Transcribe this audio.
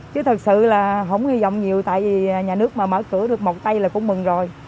chứ thật sự là không hy vọng nhiều tại vì nhà nước mà mở cửa được một tay là cũng mừng rồi